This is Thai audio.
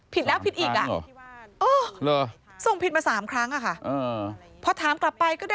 ผิดแล้วผิดอีกอ่ะส่งผิดมา๓ครั้งอ่ะค่ะ